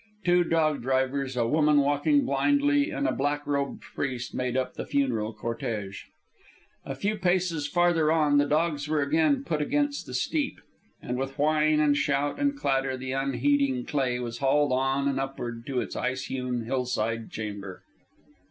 Two dog drivers, a woman walking blindly, and a black robed priest, made up the funeral cortege. A few paces farther on the dogs were again put against the steep, and with whine and shout and clatter the unheeding clay was hauled on and upward to its ice hewn hillside chamber.